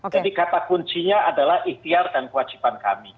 jadi kata kuncinya adalah ikhtiar dan kewajiban kami